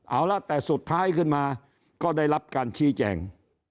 เอาละแต่สุดท้ายขึ้นมาก็ได้รับการชี้แจง